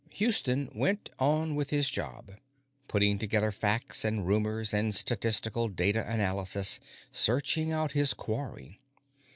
Houston went on with his job, putting together facts and rumors and statistical data analysis, searching out his quarry.